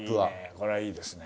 これはいいですね。